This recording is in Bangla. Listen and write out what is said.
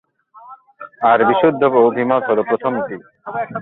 আর বিশুদ্ধ অভিমত হ’ল প্রথমটি’।